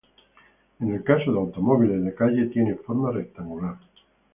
En el caso de automóviles de calle, tiene forma rectangular.